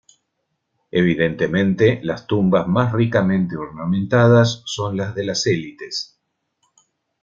Evidentemente, las tumbas más ricamente ornamentadas son las de las elites.